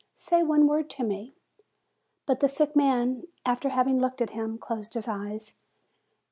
Say one word to me." But the sick man, after having looked at him, closed his eyes.